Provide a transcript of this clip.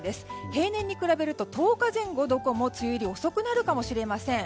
平年に比べると１０日前後どこも梅雨入りが遅くなるかもしれません。